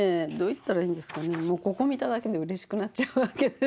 もうここ見ただけでうれしくなっちゃうわけです。